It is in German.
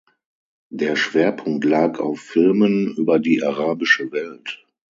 Der Schwerpunkt lag auf Filmen über die arabische Welt.